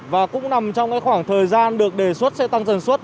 và cũng nằm trong cái khoảng thời gian được đề xuất sẽ tăng dần suất